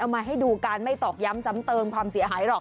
มาให้ดูการไม่ตอกย้ำซ้ำเติมความเสียหายหรอก